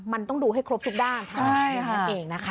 มันต้องดูให้ครบทุกด้านเท่านั้นเองนะคะ